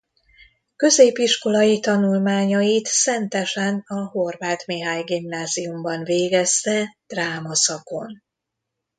Középiskolai tanulmányait Szentesen a Horváth Mihály Gimnáziumban végezte dráma szakon.